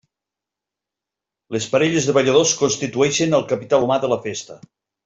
Les parelles de balladors constitueixen el capital humà de la festa.